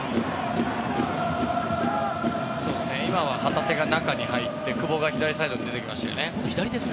今は、旗手が中に入って久保が左サイドに出てきましたね。